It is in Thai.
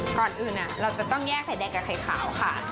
ก่อนอื่นเราจะต้องแยกไข่แดงกับไข่ขาวค่ะ